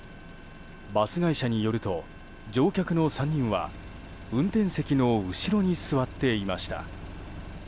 バス会社によると、乗客の３人は運転席の後ろに座っていました。